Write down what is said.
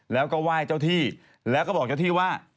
แล้วก็ไหว้เจ้าที่แล้วก็บอกเจ้าที่ว่า